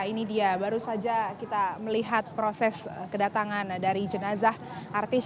ini dia baru saja kita melihat proses kedatangan dari jenazah artis